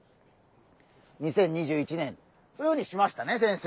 ２０２１年そういうふうにしましたね先生。